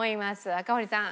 赤堀さん